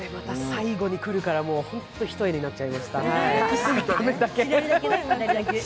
最後に来るから本当に一重になっちゃいました。